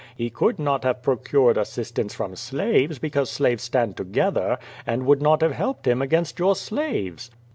He could not have pro cured assistance from slaves because slaves stand together, and would not have helped him against your slaves.